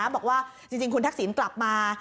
บอกว่าจริงคุณทักษิณกลับมา